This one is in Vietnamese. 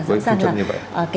với phương châm như vậy